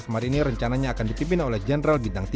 marinir rencananya akan dipimpin oleh general bintang tiga